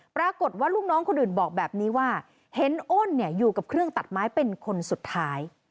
ปรากฏว่าลูกน้องคนอื่นบอกแบบนี้ว่าเห็นอ้นอยู่กับเครื่องตัดไม้เป็นคนสุดท้าย